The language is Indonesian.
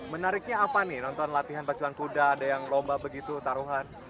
menariknya apa nih nonton latihan pacuan kuda ada yang lomba begitu taruhan